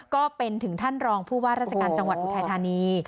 ก็เป็นถึงท่านรองผู้ว่าราชการจังหวัดอุทัยธานี